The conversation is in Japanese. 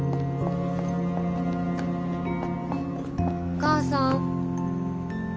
お母さん。